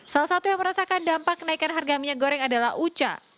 salah satu yang merasakan dampak kenaikan harga minyak goreng adalah uca